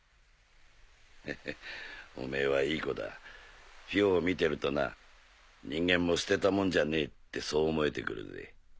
ヘヘおめぇはいい子だフィオを見てるとな人間も捨てたもんじゃねえってそう思えて来るぜ。